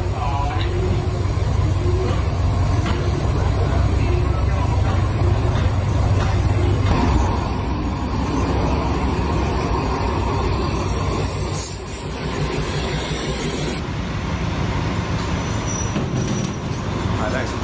สวัสดีครับสวัสดีครับ